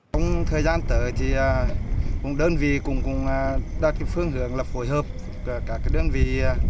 trong thời gian tới thì đơn vị cũng đặt phương hướng là phối hợp cả đơn vị